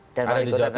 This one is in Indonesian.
ada di jawa timur